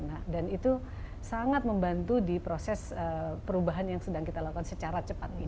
nah dan itu sangat membantu di proses perubahan yang sedang kita lakukan secara cepat gitu